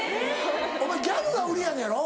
お前ギャルが売りやのやろ？